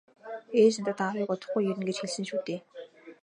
- Ээж надад аавыг удахгүй ирнэ гэж хэлсэн шүү дээ.